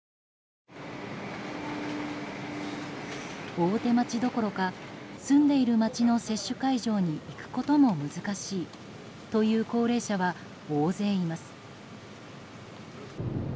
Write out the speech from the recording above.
大手町どころか住んでいる街の接種会場に行くことも難しいという高齢者は大勢います。